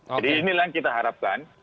jadi inilah yang kita harapkan